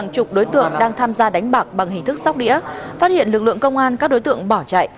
chục đối tượng đang tham gia đánh bạc bằng hình thức sóc đĩa phát hiện lực lượng công an các đối tượng bỏ chạy